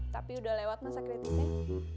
tapi udah lewat masa kritisnya